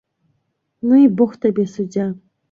- Ну i бог табе суддзя...